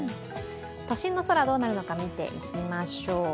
都心の空がどうなるのか見ていきましょう。